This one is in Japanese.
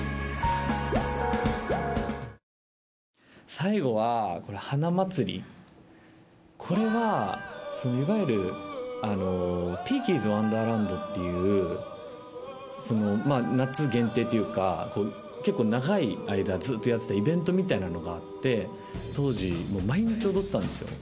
最後は『花まつり』これはいわゆるＰ−ｋｉｅｓワンダーランドっていう夏限定というか結構長い間ずっとやってたイベントみたいなのがあって当時毎日踊ってたんですよ。